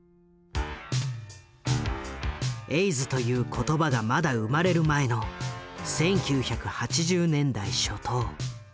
エイズという言葉がまだ生まれる前の１９８０年代初頭。